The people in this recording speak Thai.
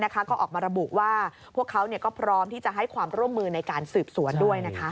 ก็ออกมาระบุว่าพวกเขาก็พร้อมที่จะให้ความร่วมมือในการสืบสวนด้วย